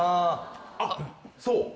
あっそう。